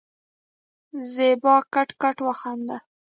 زېبا کټ کټ وخندل.